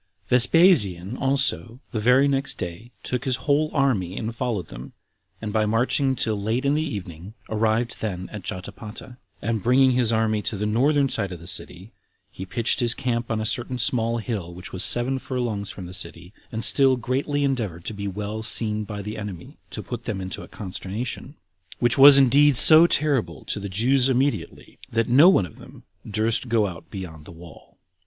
4. Vespasian also, the very next day, took his whole army and followed them, and by marching till late in the evening, arrived then at Jotapata; and bringing his army to the northern side of the city, he pitched his camp on a certain small hill which was seven furlongs from the city, and still greatly endeavored to be well seen by the enemy, to put them into a consternation; which was indeed so terrible to the Jews immediately, that no one of them durst go out beyond the wall.